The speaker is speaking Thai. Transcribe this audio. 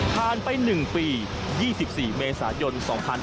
ผ่านไปหนึ่งปี๒๔เมษายน๒๕๖๑